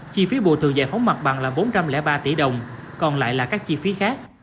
chi phí bù thường giải phóng mặt bằng là bốn trăm linh ba tỷ đồng còn lại là các chi phí khác